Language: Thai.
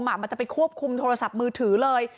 มันจะไปควบคุมโทรศัพท์มือถือเลย